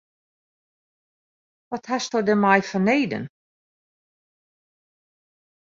Wat hasto dêrmei fanneden?